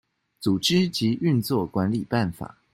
組織及運作管理辦法